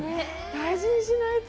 大事にしないと。